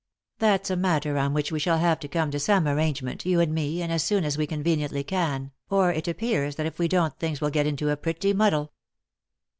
" That's a matter on which we shall have to come to some arrangement, you and me, and as soon as we conveniently can, or it appears that if we don't things will get into a pretty muddle."